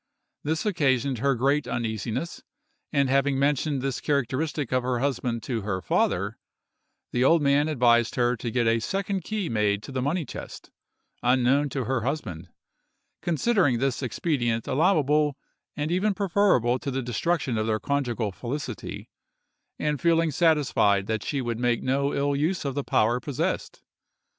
This occasioned her great uneasiness, and having mentioned this characteristic of her husband to her father, the old man advised her to get a second key made to the money chest, unknown to her husband, considering this expedient allowable and even preferable to the destruction of their conjugal felicity, and feeling satisfied that she would make no ill use of the power possessed.